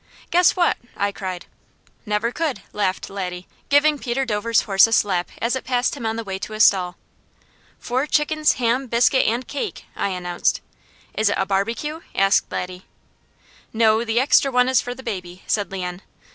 "Guess what!" I cried. "Never could!" laughed Laddie, giving Peter Dover's horse a slap as it passed him on the way to a stall. "Four chickens, ham, biscuit, and cake!" I announced. "Is it a barbecue?" asked Laddie. "No, the extra one is for the baby," said Leon.